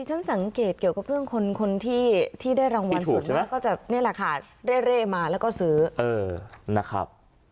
ดิฉันสังเกตเกี่ยวกับเรื่องคนคนที่ที่ได้รางวัลที่ถูกใช่ไหมก็จะเนี่ยแหละค่ะเร่มาแล้วก็ซื้อเออนะครับ